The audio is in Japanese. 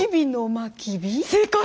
正解！